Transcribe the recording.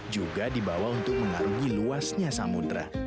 juga dibawa untuk mengaruhi luasnya samudera